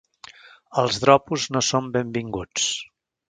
Els dropos no són benvinguts.